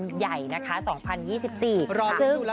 รอดดูละกัน